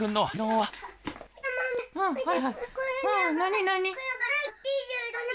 はい。